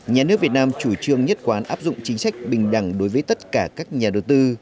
nhà nước việt nam chủ trương nhất quán áp dụng chính sách bình đẳng đối với tất cả các nhà đầu tư